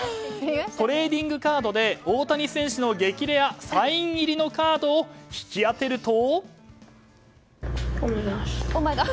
トレーディングカードで大谷選手の激レアサイン入りのカードを引き当てると。